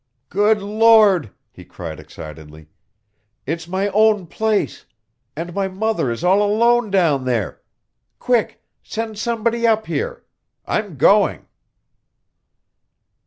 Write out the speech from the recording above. "Good Lord!" he cried excitedly; "it's my own place, and my mother is all alone down there. Quick! Send somebody up here! I'm going!"